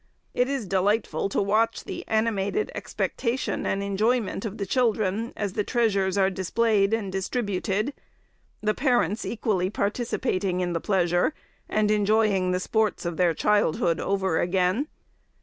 It is delightful to watch the animated expectation and enjoyment of the children as the treasures are displayed and distributed; the parents equally participating in the pleasure, and enjoying the sports of their childhood over again.